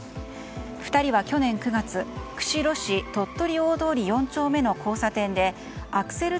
２人は去年９月釧路市鳥取大通４丁目の交差点でアクセル